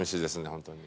本当に。